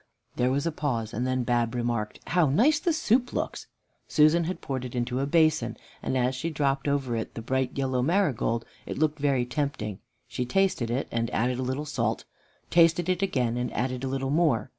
There was a pause, and then Bab remarked, "How nice the soup looks!" Susan had poured it into a basin, and as she dropped over it the bright yellow marigold, it looked very tempting. She tasted it and added a little salt; tasted it again, and added a little more.